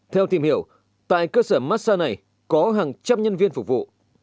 theo tìm hiểu tại cơ sở massage này có hàng trăm nhân viên phục vụ